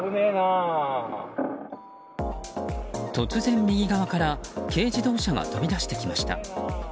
突然、右側から軽自動車が飛び出してきました。